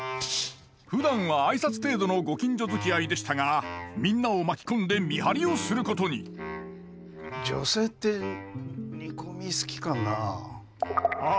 ふだんは挨拶程度のご近所づきあいでしたがみんなを巻き込んで見張りをすることに女性って煮込み好きかなあ。